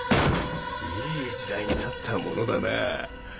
いい時代になったものだなぁ。